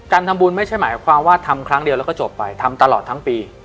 ทำบุญไม่ใช่หมายความว่าทำครั้งเดียวแล้วก็จบไปทำตลอดทั้งปี